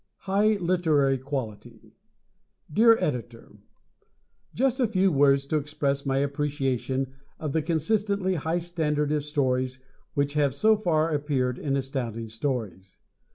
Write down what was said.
"High Literary Quality" Dear Editor: Just a few words to express my appreciation of the consistently high standard of stories which have so far appeared in Astounding Stories.